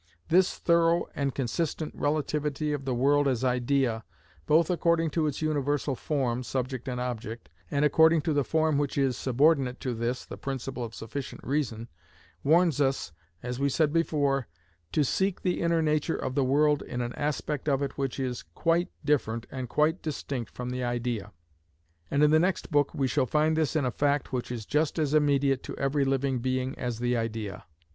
This thorough and consistent relativity of the world as idea, both according to its universal form (subject and object), and according to the form which is subordinate to this (the principle of sufficient reason) warns us, as we said before, to seek the inner nature of the world in an aspect of it which is quite different and quite distinct from the idea; and in the next book we shall find this in a fact which is just as immediate to every living being as the idea.